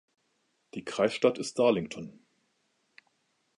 Die Kreisstadt ist Darlington.